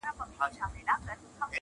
تر اوسه یې د سرو لبو یو جام څکلی نه دی,